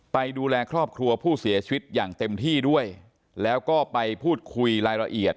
ดูแลครอบครัวผู้เสียชีวิตอย่างเต็มที่ด้วยแล้วก็ไปพูดคุยรายละเอียด